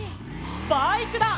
バイクだ！